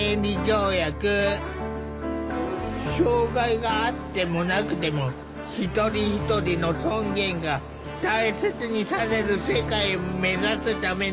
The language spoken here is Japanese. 障害があってもなくても一人一人の尊厳が大切にされる世界を目指すための条約。